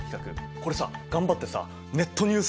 これさ頑張ってさネットニュース